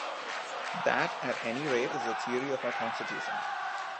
That at any rate is the theory of our Constitution.